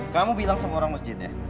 kamu bilang sama orang masjid ya